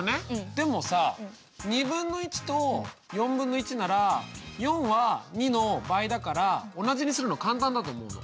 でもさとなら４は２の倍だから同じにするの簡単だと思うの。